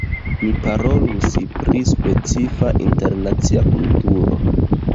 Mi parolus pri specifa, internacia kulturo.